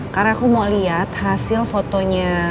karena aku mau liat hasil fotonya